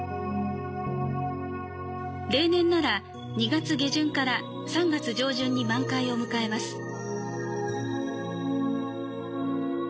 例年なら、２月下旬から３月上旬に満開を迎えます。